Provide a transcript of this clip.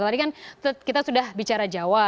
tadi kan kita sudah bicara jawa